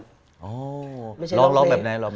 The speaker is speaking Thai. ร้องแบบไหนร้องแบบไหน